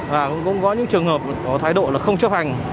và cũng có những trường hợp có thái độ là không chấp hành